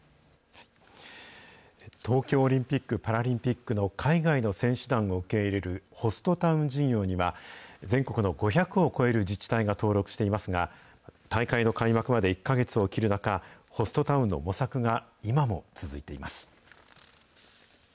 東京オリンピック・パラリンピックの海外の選手団を受け入れるホストタウン事業には、全国の５００を超える自治体が登録していますが、大会の開幕まで１か月を切る中、ホストタウンの模索が今も続いています。